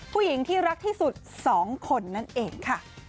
ผู้หญิงที่รักที่สุด๒คนนั่นเองค่ะ